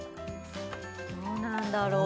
どうなんだろう？